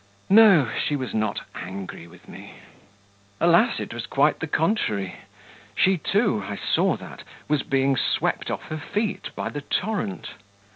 No, she was not angry with me!... Alas, it was quite the contrary! She too I saw that was being swept off her feet by the torrent.